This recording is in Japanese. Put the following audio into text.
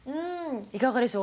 いかがでしょう？